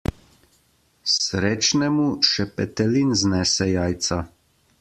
Srečnemu še petelin znese jajca.